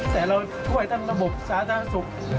แต่เราช่วยทั้งระบบสาธารณสุข